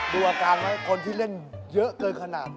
ดูอาการไว้คนที่เล่นเยอะเกินขนาด